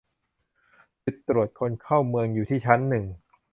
จุดตรวจคนเข้าเมืองอยู่ที่ชั้นหนึ่ง